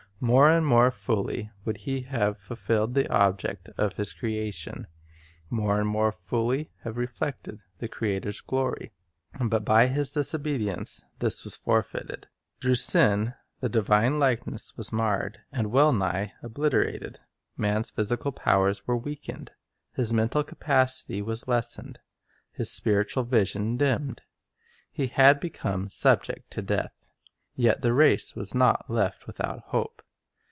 More and more fully would he have fulfilled the object of his creation, more and more fully have reflected the Creator's glory. But by disobedience this was forfeited. Through sin the divine likeness was marred, and well nigh Marred obliterated. Man's physical powers were weakened, Restored his mental capacity was lessened, his spiritual vision dimmed. He had become subject to death. Yet the race was not left without hope.